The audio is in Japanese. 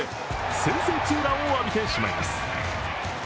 先制ツーランを浴びてしまいます。